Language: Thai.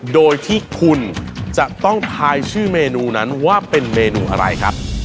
โดยที่คุณจะต้องทายชื่อเมนูนั้นว่าเป็นเมนูอะไรครับ